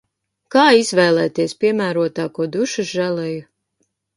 Kā izvēlēties piemērotāko dušas želeju?